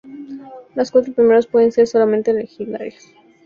Los cuatro primeros pueden ser solamente legendarios.